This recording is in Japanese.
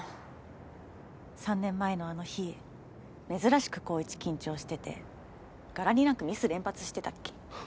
３年前のあの日珍しく紘一緊張してて柄になくミス連発してたっけ。